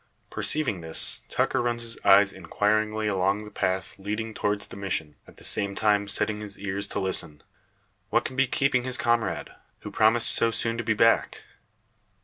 Perceiving this, Tucker runs his eyes inquiringly along the path leading towards the mission, at the same time setting his ears to listen. What can be keeping his comrade, who promised so soon to be back?